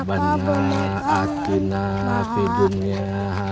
emang beneran ya